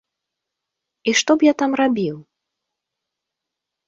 І што б я там рабіў?